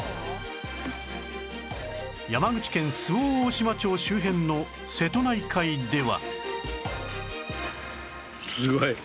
山口県周防大島町周辺の瀬戸内海では